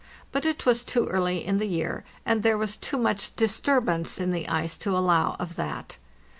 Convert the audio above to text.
But it was too early in the year, and there was too much disturbance in the ice to allow of that.